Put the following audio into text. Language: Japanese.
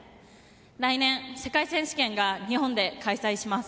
来年、世界選手権が日本で開催します。